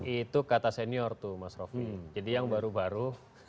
itu kata senior tuh mas rofi jadi yang baru baru